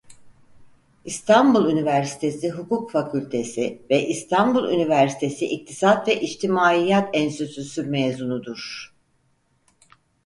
İstanbul Üniversitesi Hukuk Fakültesi ve İstanbul Üniversitesi İktisat ve İçtimaiyat Enstitüsü mezunudur.